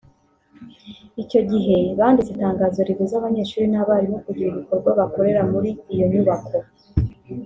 Icyo gihe banditse itangazo ribuza abanyeshuri n’abarimu kugira ibikorwa bakorera muri iyo nyubako